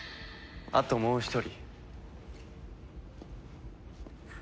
あともう一人。